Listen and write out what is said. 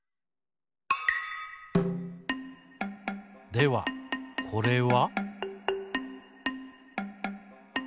ではこれは？